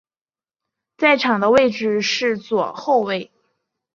在场上的位置是左后卫。